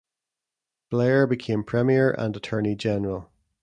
Blair became premier and Attorney-General.